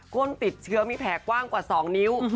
้นติดเชื้อมีแผลกว้างกว่า๒นิ้ว